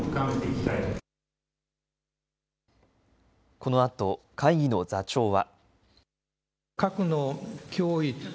このあと会議の座長は。